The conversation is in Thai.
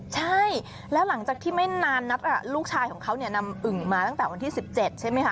ใช่แล้วหลังจากที่ไม่นานนัดลูกชายของเขานำอึ่งมาตั้งแต่วันที่๑๗ใช่ไหมคะ